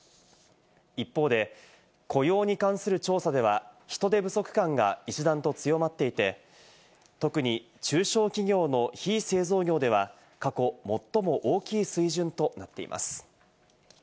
一方で雇用に関する調査では人手不足感が一段と強まっていて、特に中小企業の非製造業では過去最も大きい水準となっています。